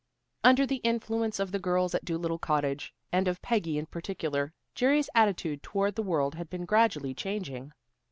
Under the influence of the girls at Dolittle Cottage, and of Peggy in particular, Jerry's attitude toward the world had been gradually changing.